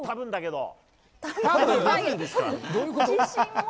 どういうこと？